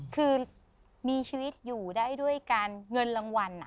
คือมีชีวิตอยู่ได้ด้วยการเงินรางวัล